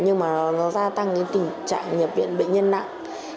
nhưng mà nó gia tăng cái tình trạng nhập viện bệnh nhân nặng